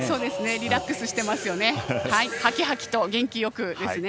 リラックスしてますよね。